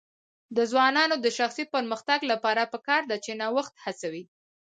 د ځوانانو د شخصي پرمختګ لپاره پکار ده چې نوښت هڅوي.